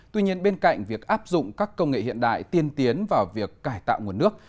tuy nhiên bên cạnh việc áp dụng các công nghệ hiện đại tiên tiến vào việc cải tạo nguồn nước